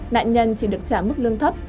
nạn nhân chỉ được trả mức lương thấp